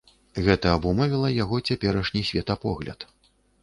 Гэта абумовіла яго цяперашні светапогляд.